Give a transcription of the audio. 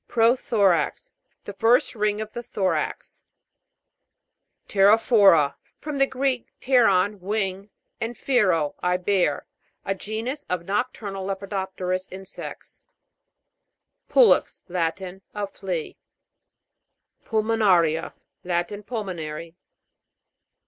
PROTHO'RAX. The first ring of the thorax. PTERO'PHORA. From the Greek, pteron, wing, and phero, I bear. A genus of nocturnal lepidopterous insects. PU'LEX. Latin. A flea. PULMONA'RIA. Latin. Pulmonary.